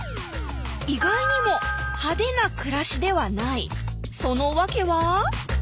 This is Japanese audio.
意外にも派手な暮らしではないその訳は？